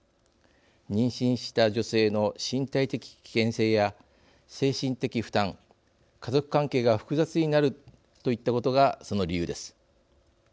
妊娠した女性の身体的危険性や精神的負担家族関係が複雑になるといったことがその理由です。